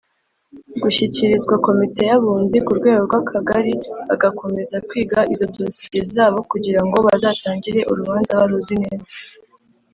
gushyikirizwa Komite y Abunzi ku rwego rw’Akagari bagakomeza kwiga izo dosiye zabo kugira ngo bazatangire urubanza baruzi neza.